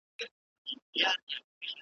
له خلوته مي پر بده لار روان كړل .